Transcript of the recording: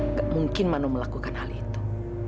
nggak mungkin mano melakukan hal itu